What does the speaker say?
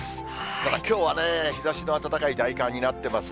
ただきょうはね、日ざしの暖かい大寒になってますね。